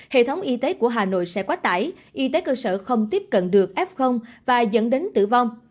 hệ thống y tế của hà nội sẽ quá tải y tế cơ sở không tiếp cận được f và dẫn đến tử vong